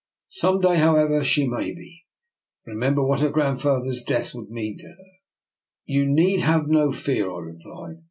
Some day, however, she may be. Remember what her grandfather's death would mean to her." " You need have no fear," I replied.